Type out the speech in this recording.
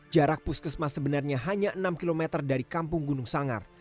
jarak puskesmas sebenarnya hanya enam km dari kampung gunung sangar